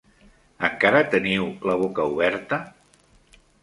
Encara teniu la boca oberta?